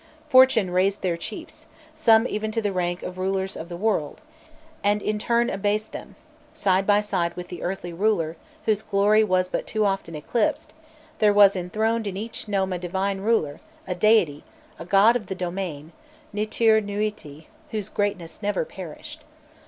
Fortune raised their chiefs, some even to the rank of rulers of the world, and in turn abased them: side by side with the earthly ruler, whose glory was but too often eclipsed, there was enthroned in each nome a divine ruler, a deity, a god of the domain, "nûtir nûiti," whose greatness never perished.